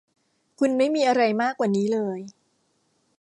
คุณไม่มีอะไรมากกว่านี้เลย